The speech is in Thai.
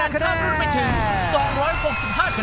และคะแนนข้ามรุ่นไปถึง